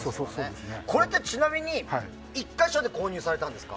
これってちなみに１か所で購入されたんですか？